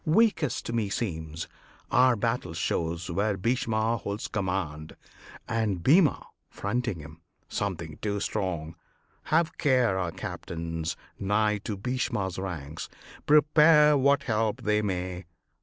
Weakest meseems Our battle shows where Bhishma holds command, And Bhima, fronting him, something too strong! Have care our captains nigh to Bhishma's ranks Prepare what help they may!